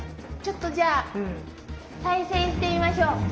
ちょっとじゃあ再生してみましょう。